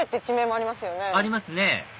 ありますね